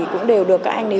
cũng đều được các anh này